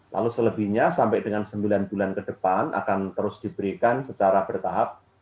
lalu selebihnya sampai dengan sembilan bulan ke depan akan terus diberikan secara bertahap